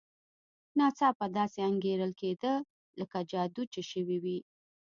ناڅاپه داسې انګېرل کېده لکه جادو چې شوی وي.